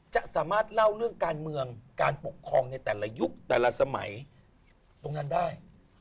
จะสามารถเล่าเรื่องการเมืองการปกครองในแต่ละยุคแต่ละสมัยตรงนั้นได้